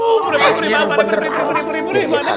oh boleh boleh boleh